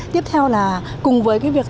tiếp theo là cùng với cái việc